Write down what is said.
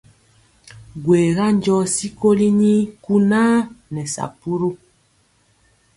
Gwega njɔ sikoli nii kunaa nɛ sapuru!